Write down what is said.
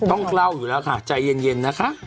ต้องเล่าอยู่แล้วค่ะใจเย็นนะคะ